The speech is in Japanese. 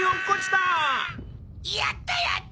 やったやった！